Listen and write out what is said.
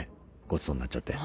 ごちそうになっちゃって。